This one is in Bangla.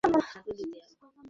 তিনি মারিকে কাজ